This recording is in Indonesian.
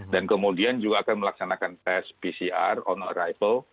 dan kemudian juga akan melaksanakan test pcr on arrival